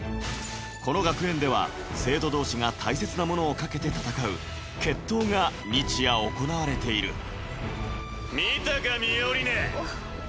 この学園では生徒同士が大切なものを賭けて戦う決闘が日夜行われている見たかミオリネ。